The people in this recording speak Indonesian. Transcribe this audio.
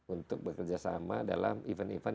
untuk bekerjasama dalam event event